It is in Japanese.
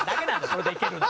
それでいけるの。